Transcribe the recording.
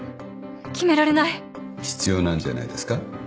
決められない！必要なんじゃないですか。